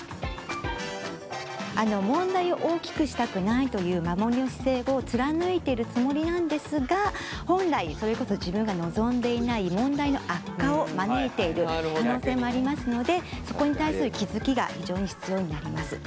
問題を大きくしたくないという守りの姿勢を貫いてるつもりなんですが本来それこそ自分が望んでいない問題の悪化を招いている可能性もありますのでそこに対する気付きが非常に必要になります。